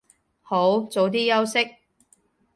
好，早啲休息